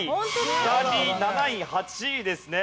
２人７位８位ですね。